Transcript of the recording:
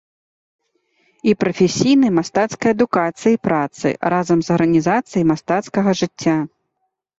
І прафесійнай мастацкай адукацыі і працы, разам з арганізацыяй мастацкага жыцця.